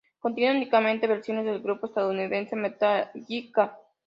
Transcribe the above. Contiene únicamente versiones del grupo estadounidense Metallica.